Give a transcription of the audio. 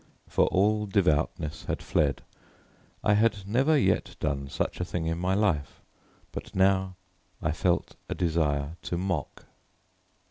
For all devoutness had fled. I had never yet done such a thing in my life, but now I felt a desire to mock.